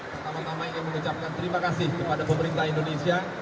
pertama tama ingin mengucapkan terima kasih kepada pemerintah indonesia